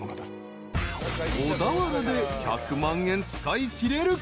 ［小田原で１００万円使いきれるか？］